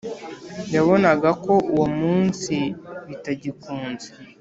Yabonaga ko uwo munsi bitagikunze